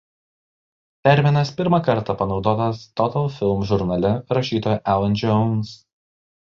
Terminas pirmą kartą panaudotas Total Film žurnale rašytojo Alan Jones.